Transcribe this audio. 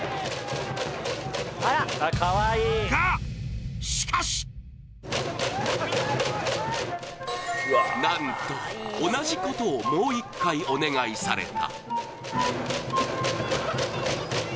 が、しかしなんと、同じことをもう一回お願いされた。